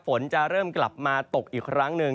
ฝนจะเริ่มกลับมาตกอีกครั้งหนึ่ง